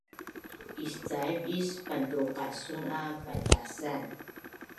Iscaiv is pantuqasun a paitasan